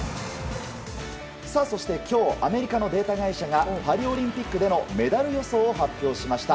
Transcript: そして、今日アメリカのデータ会社がパリオリンピックでのメダル予想を発表しました。